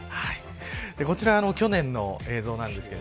こちら去年の映像です。